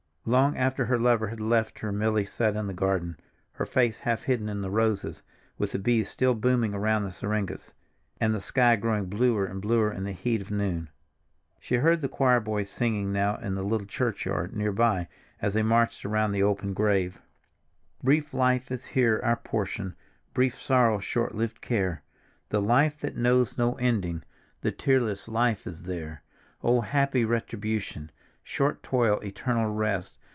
Long after her lover had left her Milly sat in the garden, her face half hidden in the roses, with the bees still booming around the syringas, and the sky growing bluer and bluer in the heat of noon. She heard the choir boys singing now in the little churchyard near by as they marched around the open grave, "_Brief life is here our portion, Brief sorrow, shortlived care, The life that knows no ending, The tearless life, is there. Oh happy retribution, Short toil, eternal rest!